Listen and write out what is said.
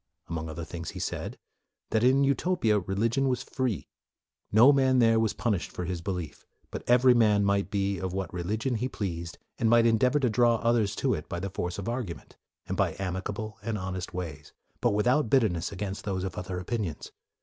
Among other things, he said that, in Utopia, religion was free. No man there was punished for his belief, but every man might be of what religion he pleased, and might endeavor to draw others to it by the force of argument, and by amicable and honest ways, but without bitterness against those of other opinions.